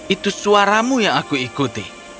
itu suaramu yang aku ikuti